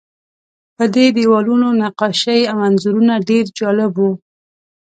پر دې دیوالونو نقاشۍ او انځورونه ډېر جالب وو.